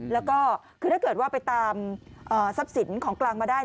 แล้วก็คือถ้าเกิดว่าไปตามทรัพย์สินของกลางมาได้